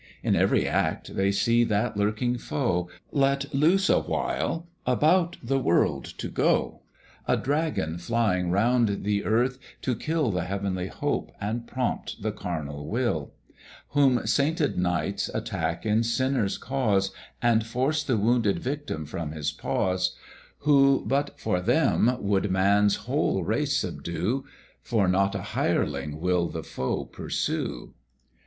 In every act they see that lurking foe, Let loose awhile, about the world to go; A dragon flying round the earth, to kill The heavenly hope, and prompt the carnal will; Whom sainted knights attack in sinners' cause, And force the wounded victim from his paws; Who but for them would man's whole race subdue, For not a hireling will the foe pursue.